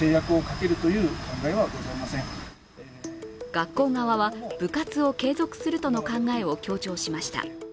学校側は部活を継続するとの考えを強調しました。